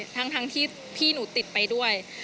ทั้งที่พี่หนูติดไปด้วย